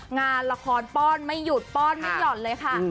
งานละครป้อนไม่หยุดป้อนไม่หย่อนเลยค่ะ